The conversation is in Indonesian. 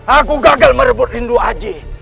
aku gagal merebut lindu acik